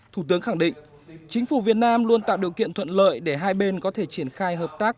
thủ tướng khẳng định chính phủ việt nam luôn tạo điều kiện thuận lợi để hai bên có thể triển khai hợp tác